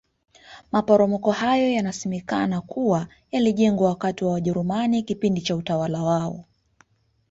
maporomoko hayo yanasenekana kuwa yalijengwa na wajerumani kipindi cha utawala wao